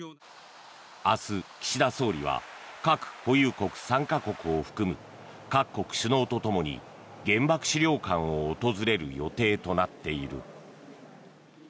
明日、岸田総理は核保有国３か国を含む各国首脳とともに、原爆資料館を訪れる予定となっている。